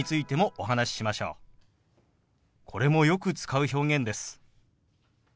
これもよく使う表現です。